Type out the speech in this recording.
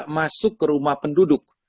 masuk ke rumah penduduk